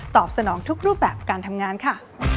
สนองทุกรูปแบบการทำงานค่ะ